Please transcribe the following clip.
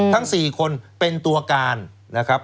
ทั้ง๔คนเป็นตัวการนะครับ